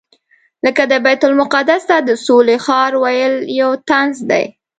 لکه د بیت المقدس ته د سولې ښار ویل یو طنز دی.